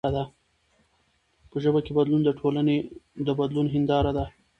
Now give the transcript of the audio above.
په ژبه کښي بدلون د ټولني د بدلون هنداره ده.